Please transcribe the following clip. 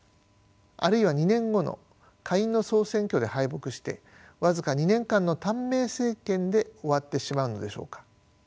あるいは２年後の下院の総選挙で敗北して僅か２年間の短命政権で終わってしまうのでしょうか。